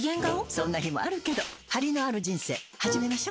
そんな日もあるけどハリのある人生始めましょ。